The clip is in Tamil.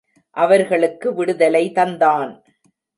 அவர்களுக்கு விடுதலை தந்தான்.